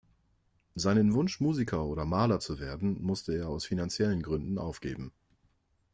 Seinen Wunsch Musiker oder Maler zu werden, musste er aus finanziellen Gründen aufgeben.